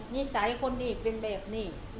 พี่สายคนนี้เป็นเหตุนี้